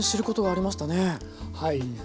はい。